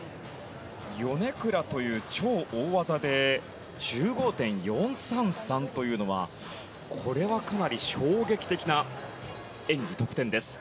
ヨネクラという超大技で１５．４３３というのはこれはかなり衝撃的な演技得点です。